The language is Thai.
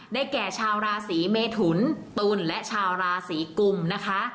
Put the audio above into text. แก่ชาวราศีเมทุนตุลและชาวราศีกุมนะคะ